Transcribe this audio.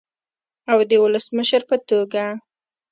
او د ولسمشر په توګه